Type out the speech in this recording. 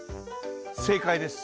正解です。